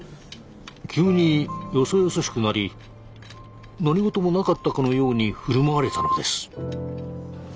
急によそよそしくなり何事もなかったかのように振る舞われたのです。